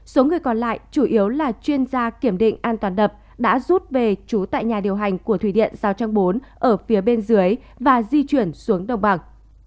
số người còn lại chủ yếu là chuyên gia kiểm định an toàn đập đã rút về trú tại nhà điều hành của thủy điện giao trang bốn ở phía bên dưới và di chuyển xuống đồng bằng